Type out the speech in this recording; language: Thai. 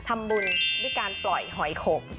ทำบุญด้วยการปล่อยหอยขม